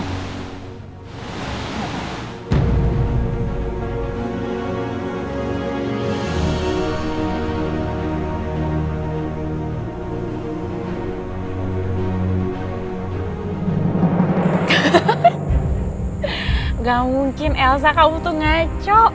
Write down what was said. tidak mungkin elsa kau tuh ngaco